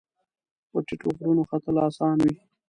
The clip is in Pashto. په ټیټو غرونو ختل اسان وي